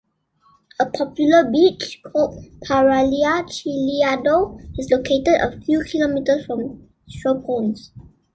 A popular beach, called Paralia Chiliadou, is located a few kilometres from Stropones.